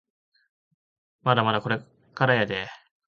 まだまだこっからやでぇ